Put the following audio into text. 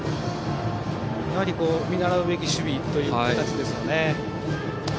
やはり、見習うべき守備という形ですね。